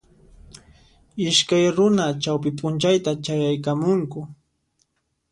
Iskay runa chawpi p'unchayta chayaykamunku